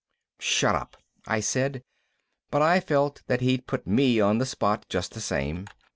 "Shut up," I said, but I felt that he'd put me on the spot just the same.